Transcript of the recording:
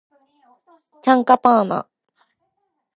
チャンカパーナ